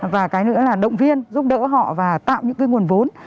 và cái nữa là động viên giúp đỡ họ và tạo những cái nguồn vốn